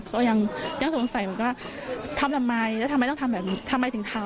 ก็ยังสงสัยว่าทำทำไมทำไมต้องทำแบบนี้ทำไมถึงทำ